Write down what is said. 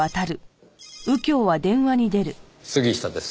杉下です。